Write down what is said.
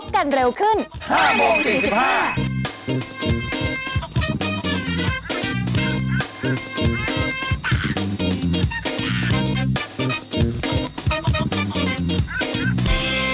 ขอบคุณครับ